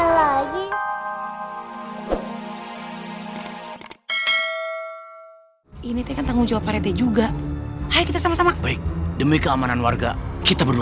hai ini tekan tanggung jawab rt juga hai kita sama sama baik demi keamanan warga kita berdua